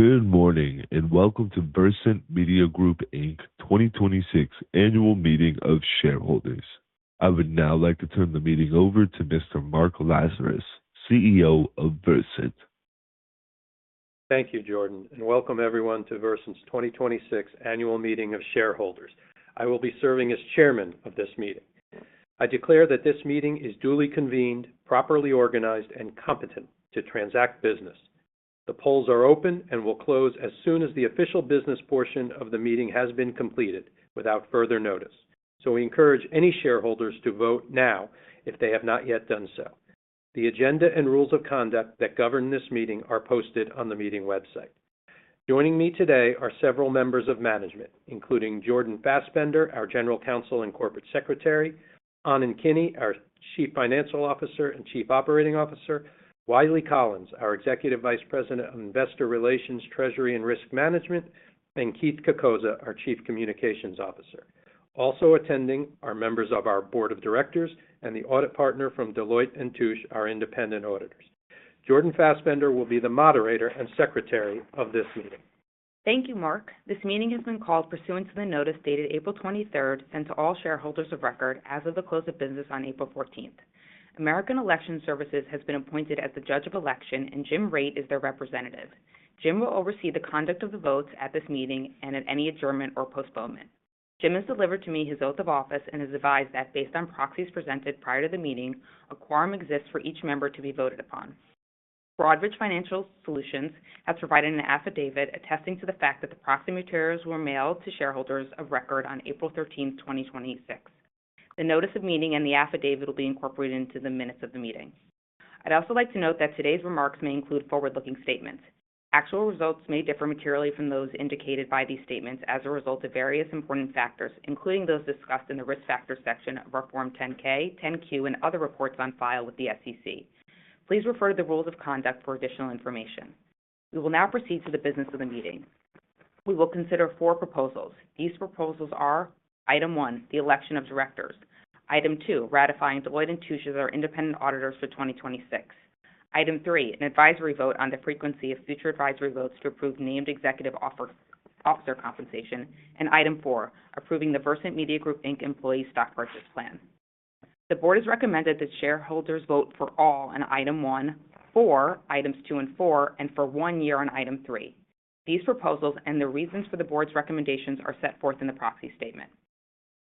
Good morning. Welcome to Versant Media Group Inc. 2026 Annual Meeting of Shareholders. I would now like to turn the meeting over to Mr. Mark Lazarus, CEO of Versant. Thank you, Jordan. Welcome everyone to Versant's 2026 Annual Meeting of Shareholders. I will be serving as Chairman of this meeting. I declare that this meeting is duly convened, properly organized, and competent to transact business. The polls are open and will close as soon as the official business portion of the meeting has been completed without further notice. We encourage any shareholders to vote now if they have not yet done so. The agenda and rules of conduct that govern this meeting are posted on the meeting website. Joining me today are several members of management, including Jordan Fasbender, our General Counsel and Corporate Secretary, Anand Kini, our Chief Financial Officer and Chief Operating Officer, Wiley Collins, our Executive Vice President of Investor Relations, Treasury, and Risk Management, and Keith Cocozza, our Chief Communications Officer. Also attending are members of our board of directors and the audit partner from Deloitte & Touche, our independent auditors. Jordan Fasbender will be the moderator and secretary of this meeting. Thank you, Mark. This meeting has been called pursuant to the notice dated April 23rd, sent to all shareholders of record as of the close of business on April 14th. American Election Services has been appointed as the judge of election, and Jim Rate is their representative. Jim will oversee the conduct of the votes at this meeting and at any adjournment or postponement. Jim has delivered to me his oath of office and is advised that based on proxies presented prior to the meeting, a quorum exists for each member to be voted upon. Broadridge Financial Solutions has provided an affidavit attesting to the fact that the proxy materials were mailed to shareholders of record on April 13th, 2026. The notice of meeting and the affidavit will be incorporated into the minutes of the meeting. I'd also like to note that today's remarks may include forward-looking statements. Actual results may differ materially from those indicated by these statements as a result of various important factors, including those discussed in the Risk Factors section of our Form 10-K, 10-Q, and other reports on file with the SEC. Please refer to the rules of conduct for additional information. We will now proceed to the business of the meeting. We will consider four proposals. These proposals are item one, the election of directors, item two, ratifying Deloitte & Touche as our independent auditors for 2026, item three, an advisory vote on the frequency of future advisory votes to approve named executive officer compensation, and item four, approving the Versant Media Group Inc. employee stock purchase plan. The board has recommended that shareholders vote for all on item one, for items two and four, and for one year on item three. These proposals and the reasons for the board's recommendations are set forth in the proxy statement.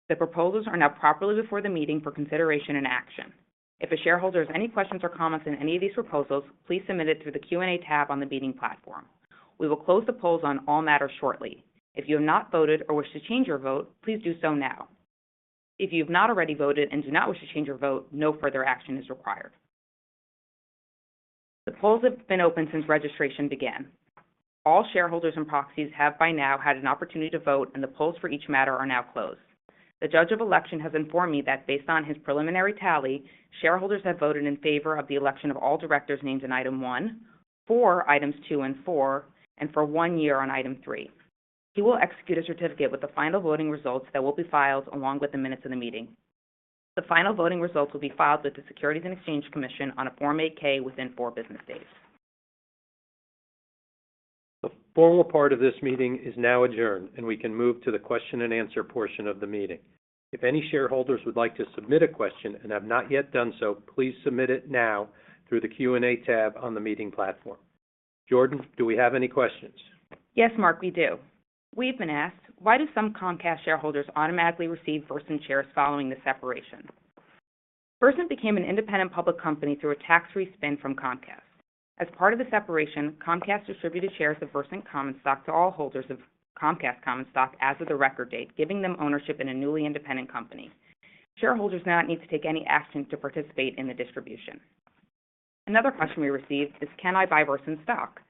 The proposals are now properly before the meeting for consideration and action. If a shareholder has any questions or comments on any of these proposals, please submit it through the Q&A tab on the meeting platform. We will close the polls on all matters shortly. If you have not voted or wish to change your vote, please do so now. If you've not already voted and do not wish to change your vote, no further action is required. The polls have been open since registration began. All shareholders and proxies have by now had an opportunity to vote, and the polls for each matter are now closed. The judge of election has informed me that based on his preliminary tally, shareholders have voted in favor of the election of all directors' names in item one, for items two and four, and for one year on item three. He will execute a certificate with the final voting results that will be filed along with the minutes of the meeting. The final voting results will be filed with the Securities and Exchange Commission on a Form 8-K within four business days. The formal part of this meeting is now adjourned. We can move to the question and answer portion of the meeting. If any shareholders would like to submit a question and have not yet done so, please submit it now through the Q&A tab on the meeting platform. Jordan, do we have any questions? Yes, Mark, we do. We've been asked, why do some Comcast shareholders automatically receive Versant shares following the separation? Versant became an independent public company through a tax-free spin from Comcast. As part of the separation, Comcast distributed shares of Versant common stock to all holders of Comcast common stock as of the record date, giving them ownership in a newly independent company. Shareholders do not need to take any action to participate in the distribution. Another question we received is can I buy Versant stock?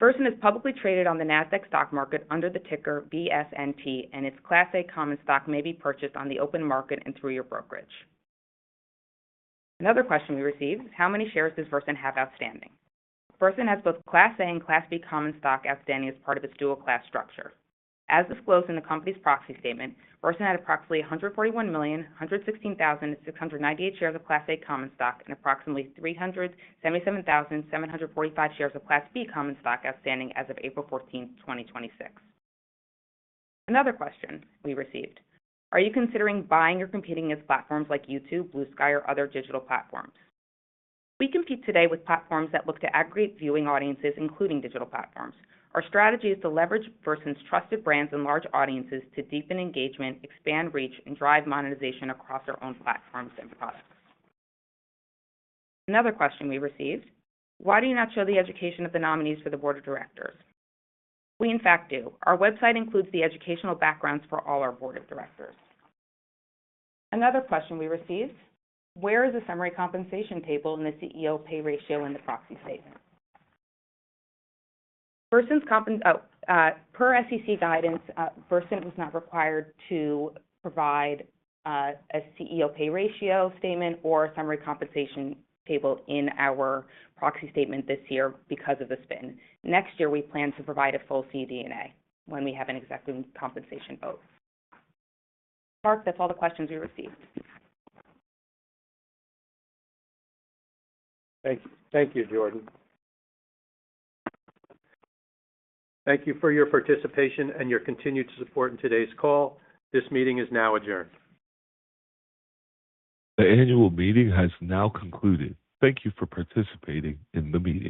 Versant is publicly traded on the Nasdaq stock market under the ticker VSNT, and its Class A common stock may be purchased on the open market and through your brokerage. Another question we received, how many shares does Versant have outstanding? Versant has both Class A and Class B common stock outstanding as part of its dual-class structure. As disclosed in the company's proxy statement, Versant had approximately 141,116,698 shares of Class A common stock and approximately 377,745 shares of Class B common stock outstanding as of April 14th, 2026. Another question we received, are you considering buying or competing with platforms like YouTube, Bluesky, or other digital platforms? We compete today with platforms that look to aggregate viewing audiences, including digital platforms. Our strategy is to leverage Versant's trusted brands and large audiences to deepen engagement, expand reach, and drive monetization across our own platforms and products. Another question we received, why do you not show the education of the nominees for the board of directors? We in fact do. Our website includes the educational backgrounds for all our board of directors. Another question we received, where is the summary compensation table and the CEO pay ratio in the proxy statement? Per SEC guidance, Versant was not required to provide a CEO pay ratio statement or a summary compensation table in our proxy statement this year because of the spin. Next year, we plan to provide a full CD&A when we have an executive compensation vote. Mark, that's all the questions we received. Thank you, Jordan. Thank you for your participation and your continued support in today's call. This meeting is now adjourned. The annual meeting has now concluded. Thank you for participating in the meeting.